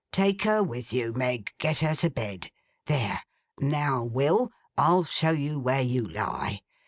'Take her with you, Meg. Get her to bed. There! Now, Will, I'll show you where you lie.